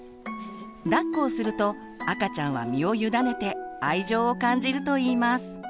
だっこをすると赤ちゃんは身を委ねて愛情を感じるといいます。